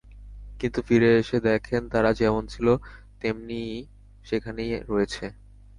কিন্তু ফিরে এসে দেখেন, তারা যেমন ছিল, তেমনি সেখানেই রয়েছে।